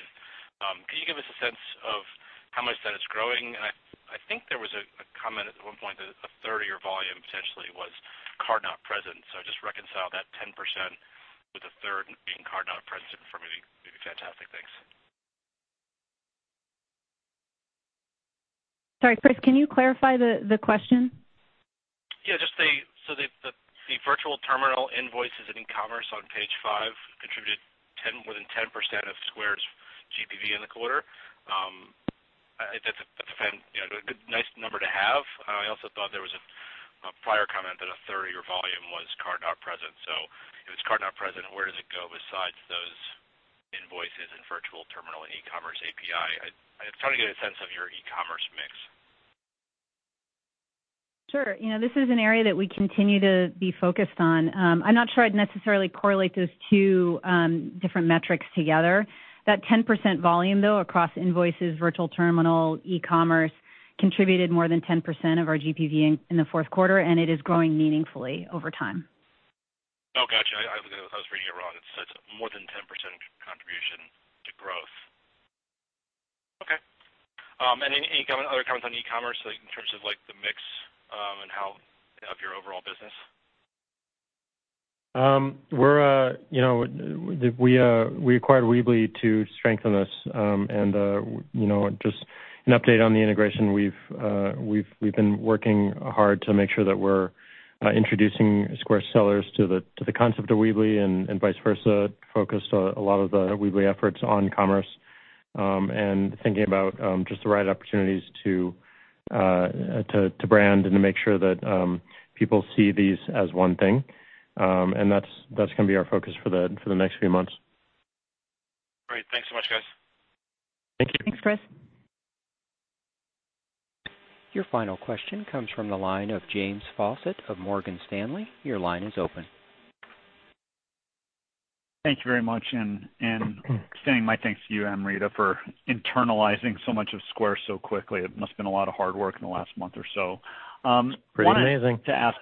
Can you give us a sense of how much that is growing? I think there was a comment at one point that a third of your volume essentially was card not present. Just reconcile that 10% with a third being card not present for me would be fantastic. Thanks. Sorry, Chris, can you clarify the question? Yeah. The virtual terminal invoices and e-commerce on page five contributed more than 10% of Square's GPV in the quarter. That's a nice number to have. I also thought there was a prior comment that a third of your volume was card not present. If it's card not present, where does it go besides those invoices and virtual terminal and e-commerce API? I'm trying to get a sense of your e-commerce mix. Sure. This is an area that we continue to be focused on. I'm not sure I'd necessarily correlate those two different metrics together. That 10% volume, though, across invoices, virtual terminal, e-commerce, contributed more than 10% of our GPV in the fourth quarter, and it is growing meaningfully over time. Oh, got you. I was reading it wrong. It's more than 10% contribution to growth. Okay. Any other comments on e-commerce, in terms of the mix of your overall business? We acquired Weebly to strengthen this. Just an update on the integration, we've been working hard to make sure that we're introducing Square sellers to the concept of Weebly and vice versa, focused a lot of the Weebly efforts on commerce, and thinking about just the right opportunities to brand and to make sure that people see these as one thing. That's going to be our focus for the next few months. Great. Thanks so much, guys. Thank you. Thanks, Chris. Your final question comes from the line of James Faucette of Morgan Stanley. Your line is open. Thank you very much, and extending my thanks to you, Amrita, for internalizing so much of Square so quickly. It must've been a lot of hard work in the last month or so. It's pretty amazing. Wanted to ask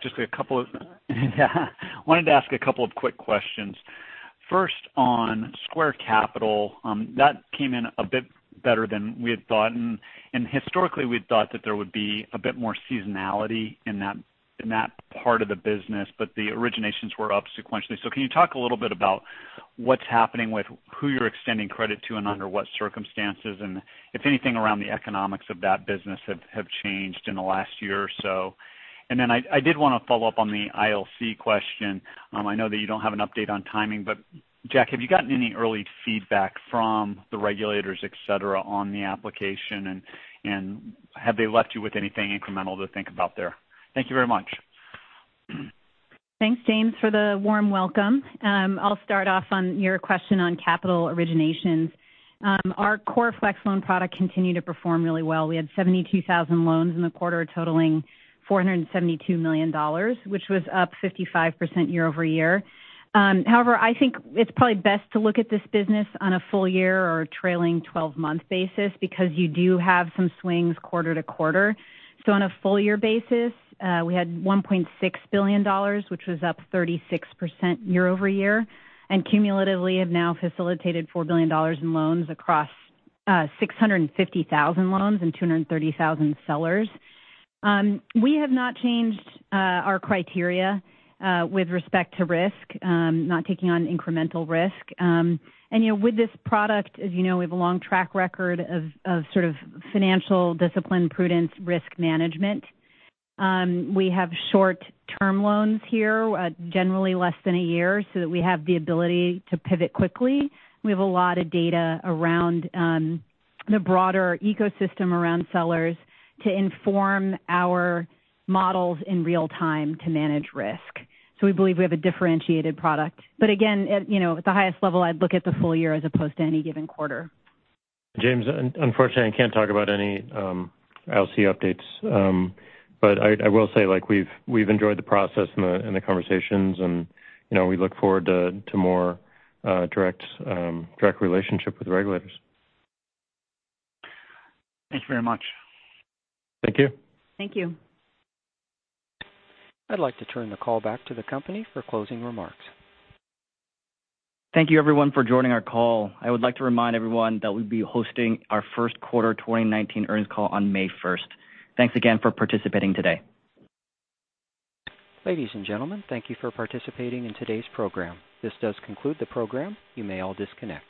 a couple of quick questions. First, on Square Capital. That came in a bit better than we had thought. Historically, we had thought that there would be a bit more seasonality in that part of the business, but the originations were up sequentially. Can you talk a little bit about what's happening with who you're extending credit to and under what circumstances, and if anything around the economics of that business have changed in the last year or so? I did want to follow up on the ILC question. I know that you don't have an update on timing, but Jack, have you gotten any early feedback from the regulators, et cetera, on the application, and have they left you with anything incremental to think about there? Thank you very much. Thanks, James, for the warm welcome. I'll start off on your question on capital originations. Our core Square Loans product continued to perform really well. We had 72,000 loans in the quarter totaling $472 million, which was up 55% year-over-year. However, I think it's probably best to look at this business on a full year or a trailing 12-month basis because you do have some swings quarter to quarter. On a full year basis, we had $1.6 billion, which was up 36% year-over-year, and cumulatively have now facilitated $4 billion in loans across 650,000 loans and 230,000 sellers. We have not changed our criteria with respect to risk, not taking on incremental risk. With this product, as you know, we have a long track record of financial discipline, prudence, risk management. We have short-term loans here, generally less than a year, so that we have the ability to pivot quickly. We have a lot of data around the broader ecosystem around sellers to inform our models in real time to manage risk. We believe we have a differentiated product. Again, at the highest level, I'd look at the full year as opposed to any given quarter. James, unfortunately, I can't talk about any ILC updates. I will say, we've enjoyed the process and the conversations and we look forward to more direct relationship with the regulators. Thank you very much. Thank you. Thank you. I'd like to turn the call back to the company for closing remarks. Thank you everyone for joining our call. I would like to remind everyone that we'll be hosting our first quarter 2019 earnings call on May 1st. Thanks again for participating today. Ladies and gentlemen, thank you for participating in today's program. This does conclude the program. You may all disconnect.